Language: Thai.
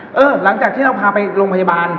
หลังจากที่เราพาไปโรงพยาบาล